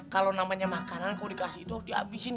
kalo namanya makanan kalau dikasih itu harus di abisin